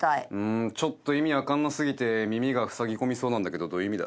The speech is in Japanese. ちょっと意味分かんな過ぎて耳がふさぎ込みそうなんだけどどういう意味だ？